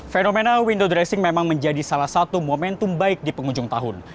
fenomena window dressing memang menjadi salah satu momentum baik di penghujung tahun